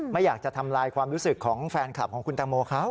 ไม่อยากจะทำลายความรู้สึกของแฟนคลับของคุณตังโมเขา